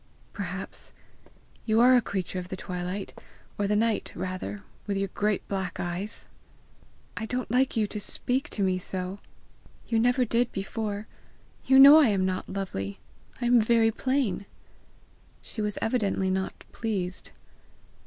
"Perhaps; you are a creature of the twilight, or the night rather, with your great black eyes!" "I don't like you to speak to me so! You never did before! You know I am not lovely! I am very plain!" She was evidently not pleased.